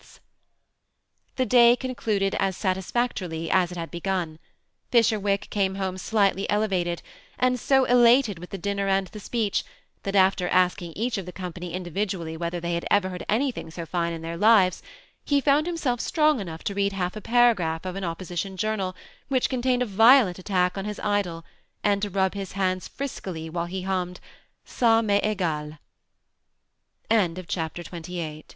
THE SEMI ATTACHED COUPLE, 199 The day concluded as satisfactorily as it had begun ; Fisherwick came home slightly elevated, and so elated with the dinner and the speech, that aflber asking each of the company individually whether they had ever heard anything so fine in their lives, he found himself strong enough to read half a paragraph of an opposition journal which contained a violent attack on his idol, and to rub his hands friskily while he hummed, ^ff